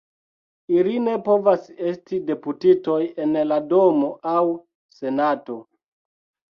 Ili ne povas esti deputitoj en la Domo aŭ Senato.